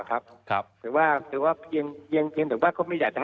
มันมันมันมันมันมันมันมันมันมันมัน